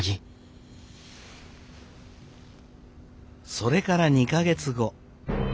それから２か月後。